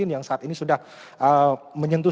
yang saat ini sudah menyentuh